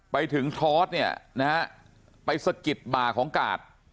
ไปถึงทอสเนี่ยนะฮะไปสะกิดบ่าของกาด